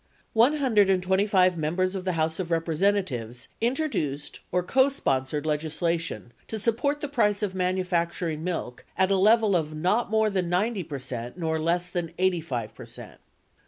One Hundred and twenty five Members of the House of Representatives introduced or cosponsored legislation to support the price of manufacturing milk at a level or not more than 90 percent nor less than 85 percent.